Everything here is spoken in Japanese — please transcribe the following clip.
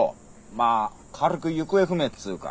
まあ軽く行方不明っつーか。